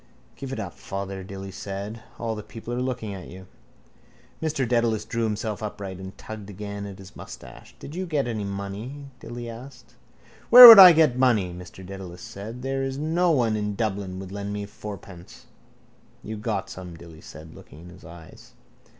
—Give it up, father, Dilly said. All the people are looking at you. Mr Dedalus drew himself upright and tugged again at his moustache. —Did you get any money? Dilly asked. —Where would I get money? Mr Dedalus said. There is no one in Dublin would lend me fourpence. —You got some, Dilly said, looking in his eyes.